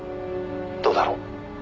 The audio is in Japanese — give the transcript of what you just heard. どうだろう？」